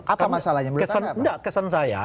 apa masalahnya kesan saya